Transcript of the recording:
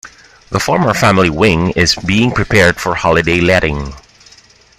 The former family wing is being prepared for holiday letting.